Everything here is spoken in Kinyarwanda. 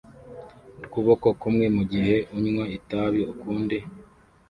ukuboko kumwe mugihe unywa itabi ukundi